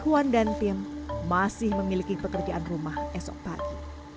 puan dan tim masih memiliki pekerjaan rumah esok pagi